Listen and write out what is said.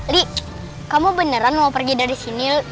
li kamu beneran mau pergi dari sini